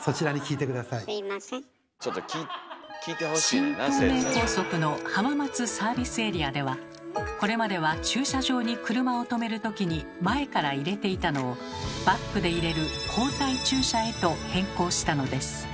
新東名高速の浜松サービスエリアではこれまでは駐車場に車をとめる時に前から入れていたのをバックで入れる「後退駐車」へと変更したのです。